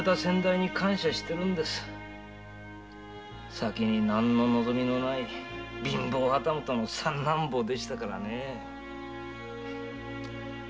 先に何の望みもない貧乏旗本の三男坊でしたからねぇ。